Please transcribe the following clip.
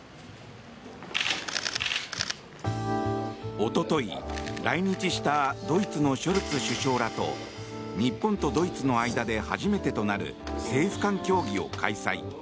おととい来日したドイツのショルツ首相らと日本とドイツの間で初めてとなる政府間協議を開催。